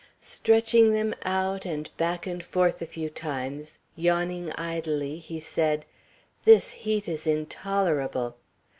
Stretching them out, and back and forth a few times, yawning idly, he said, "This heat is intolerable!"